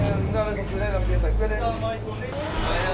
em không biết chính xác là anh áo kẻ này không